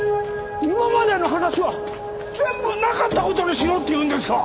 今までの話は全部なかった事にしろって言うんですか！？